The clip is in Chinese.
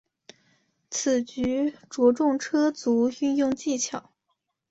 此局着重车卒运用技巧。